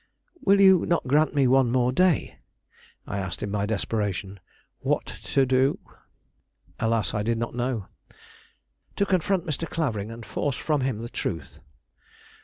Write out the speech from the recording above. "Will you not grant me one more day?" I asked in my desperation. "What to do?" Alas, I did not know. "To confront Mr. Clavering, and force from him the truth."